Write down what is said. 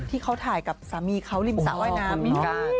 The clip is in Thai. ที่เค้าถ่ายกับสามีเค้าริมสระว่ายน้ำอ๋อคุณน้อง